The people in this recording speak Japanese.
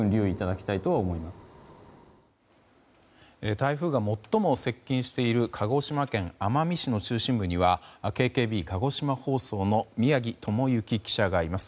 台風が最も接近している鹿児島県奄美市の中心部には、ＫＫＢ鹿児島放送の宮城智之記者がいます。